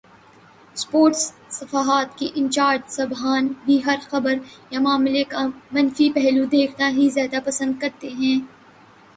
Sports صفحات کے incharge صاحبان بھی ہر خبر یا معاملے کا منفی پہلو دیکھنا ہی زیادہ پسند کرتے ہیں۔